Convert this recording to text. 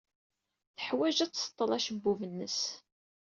Teḥwaj ad tseḍḍel acebbub-nnes.